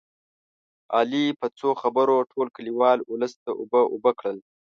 علي په څو خبرو ټول کلیوال اولس ته اوبه اوبه کړل